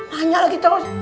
nanya lagi terus